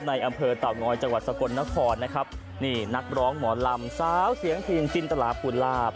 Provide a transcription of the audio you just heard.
ในอำเภอเต่างอยจังหวัดสกลนครนะครับนี่นักร้องหมอลำสาวเสียงทีมจินตลาภูลาภ